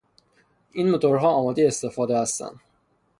این موتورها آمادهی استفاده هستند.